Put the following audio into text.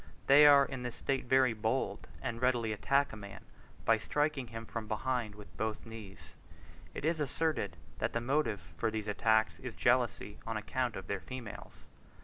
They are in this state very bold, and readily attack a man by striking him from behind with both knees. It is asserted that the motive for these attacks is jealousy on account of their females.